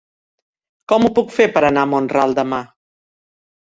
Com ho puc fer per anar a Mont-ral demà?